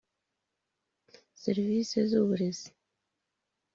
Iv serivisi z uburezi